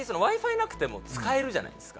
なくても使えるじゃないですか。